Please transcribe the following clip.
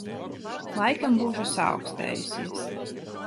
Laikam būšu saaukstējusies.